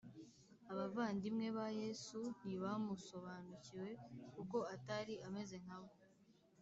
Abavandimwe ba Yesu ntibamusobanukiwe kuko atari ameze nkabo